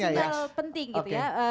iya artinya itu sinyal penting gitu ya